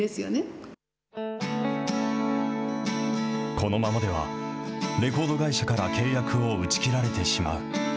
このままでは、レコード会社から契約を打ち切られてしまう。